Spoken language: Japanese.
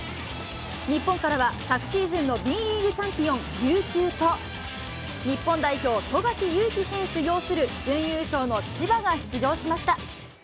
日本からは、昨シーズンのＢリーグチャンピオン、琉球と、日本代表、富樫勇樹選手擁する準優勝の千葉が出場しました。